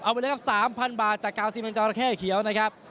เอาไปเลยครับสามพันบาทจากกาสิเม็ดเจาระแคเขียวนะครับ